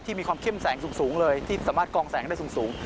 มีความเข้มแสงสูงเลยที่สามารถกองแสงได้สูง